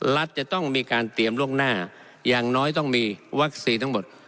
รัฐจะต้องมีการเตรียมล่วงหน้าอย่างน้อยต้องมีวัคซีนทั้งหมด